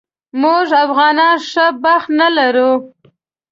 موږ افغانان ښه بخت نه لرو